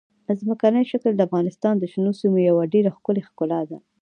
ځمکنی شکل د افغانستان د شنو سیمو یوه ډېره ښکلې ښکلا ده.